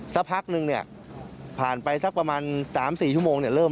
สักพักนึงเนี่ยผ่านไปสักประมาณ๓๔ชั่วโมงเนี่ยเริ่ม